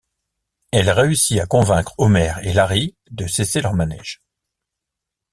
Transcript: Elle réussit à convaincre Homer et Larry de cesser leur manège.